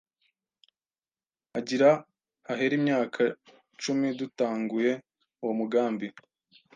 Hagira hahere imyaka cumi dutanguye uwo mugambi